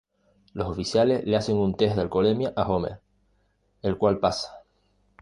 Los oficiales le hacen un test de alcoholemia a Homer, el cual pasa.